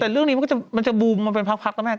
แต่เรื่องนี้มันจะบูมมาเป็นพักนะแม่